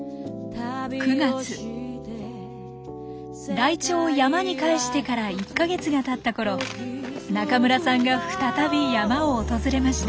ライチョウを山に帰してから１か月がたったころ中村さんが再び山を訪れました。